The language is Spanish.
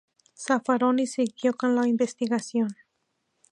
Zaffaroni siguió con la investigación.